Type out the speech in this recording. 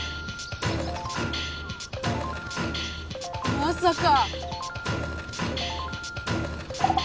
まさか。